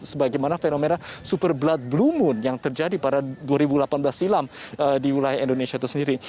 sebagaimana fenomena super blood blue moon yang terjadi pada dua ribu delapan belas silam di wilayah indonesia itu sendiri